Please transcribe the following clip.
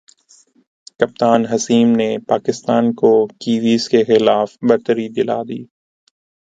کپتان حسیم نے پاکستان کو کیویز کے خلاف برتری دلا دی